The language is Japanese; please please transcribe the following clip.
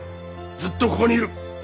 ずっとここにいる。